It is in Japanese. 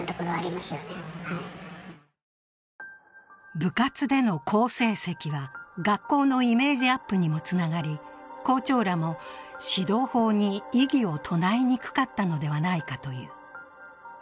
部活での好成績は、学校のイメージアップにもつながり、校長らも指導法に異議を唱えにくかったのではないかという。